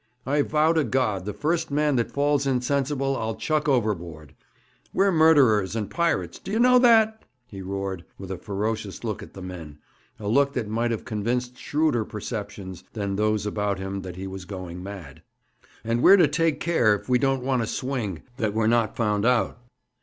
I vow to God the first man that falls insensible I'll chuck overboard. We're murderers and pirates d'ye know that?' he roared, with a ferocious look at the men a look that might have convinced shrewder perceptions than those about him that he was going mad 'and we're to take care, if we don't want to swing, that we're not found out.